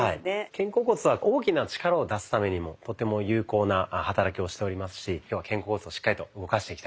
肩甲骨は大きな力を出すためにもとても有効な働きをしておりますし今日は肩甲骨をしっかりと動かしていきたいと思います。